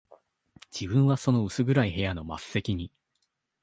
自分はその薄暗い部屋の末席に、